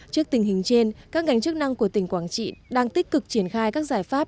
trước tình hình trên các ngành chức năng của tỉnh quảng trị đang tích cực triển khai các giải pháp